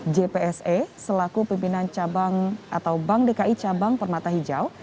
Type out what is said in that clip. jpse selaku pimpinan bank dki cabang permata hijau